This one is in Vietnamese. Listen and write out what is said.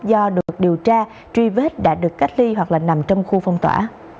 do được điều tra truy vết đã được cách ly hoặc là nằm trong khu phong tỏa